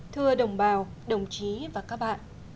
thưa đồng bào đồng chí và các bạn